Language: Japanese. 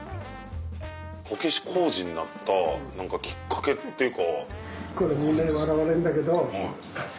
こけし工人になったきっかけっていうか。